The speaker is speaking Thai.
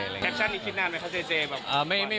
แคปชั่นนี้คิดนานไหมคะเจเจแบบ